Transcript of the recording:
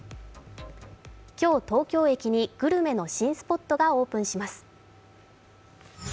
今日、東京駅にグルメの新スポットがオープンします。